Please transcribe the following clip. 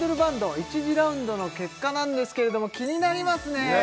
１次ラウンドの結果なんですけれども気になりますねねえ